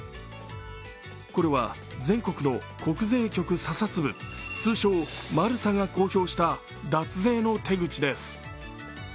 これは全国の国税局査察部通称・マルサが公表した脱税の手口です。